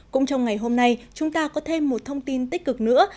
cũng trong ngày hôm nay chúng ta có thêm một thông tin tích cực nữa